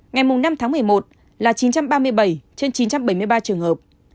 ngày mùng sáu tháng một mươi một là chín trăm linh tám trên tám trăm linh trường hợp